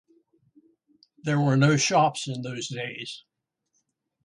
There were no shops in those days.